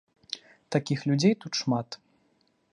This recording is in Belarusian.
Такіх людзей тут шмат.